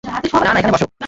না, না, এখানে বসো।